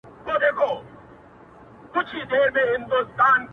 د تورو شپو سپين څراغونه مړه ســول.